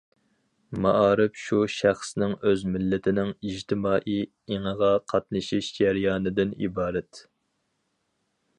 مائارىپ شۇ شەخسنىڭ، ئۆز مىللىتىنىڭ ئىجتىمائىي ئېڭىغا قاتنىشىش جەريانىدىن ئىبارەت.